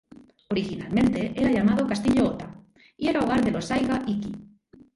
Originalmente era llamado Castillo Ōta y era hogar de los Saiga Ikki.